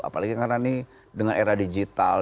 apalagi karena ini dengan era digital